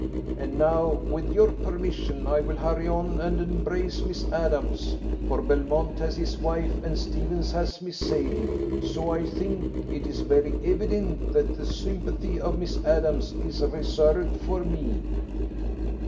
And now, with your permission, I will hurry on and embrace Miss Adams, for Belmont has his wife, and Stephens has Miss Sadie, so I think it is very evident that the sympathy of Miss Adams is reserved for me."